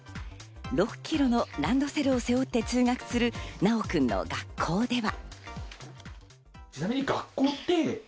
６ｋｇのランドセルを背負って通学するナオくんの学校では。